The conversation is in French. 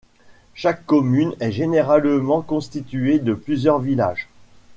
Chaque commune est généralement constituée de plusieurs villages.